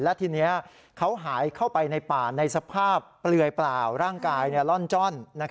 และทีนี้เขาหายเข้าไปในป่าในสภาพเปลือยเปล่าร่างกายล่อนจ้อน